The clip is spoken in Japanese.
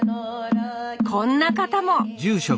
こんな方も！